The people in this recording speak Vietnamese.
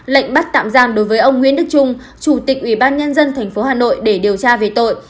lệnh bắt tạm giam đối với ông nguyễn đức trung chủ tịch ubnd tp hà nội để điều tra về tội